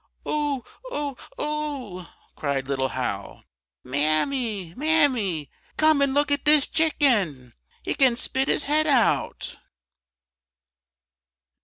"Oh! oh! oh!" cried little Hal. "Mammy! Mammy! come and look at dis chicken! _He can spit his head out!